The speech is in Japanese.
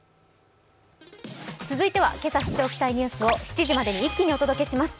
続いてはけさ知っておきたいニュースを７時までに一気にお届けします。